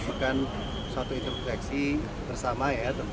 dan itu tidak bisa